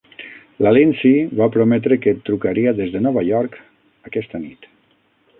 La Lindsey va prometre que et trucaria des de Nova York aquesta nit.